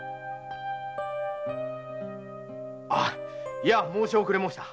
いや申し遅れました。